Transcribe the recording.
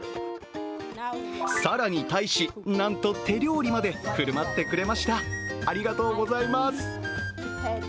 更に大使、なんと手料理まで振る舞ってくれました、ありがとうございます。